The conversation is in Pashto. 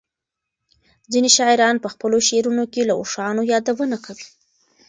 ځینې شاعران په خپلو شعرونو کې له اوښانو یادونه کوي.